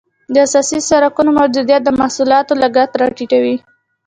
د اساسي سرکونو موجودیت د محصولاتو لګښت را ټیټوي